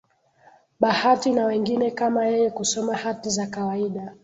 Bahati na wengine kama yeye kusoma hati za kawaida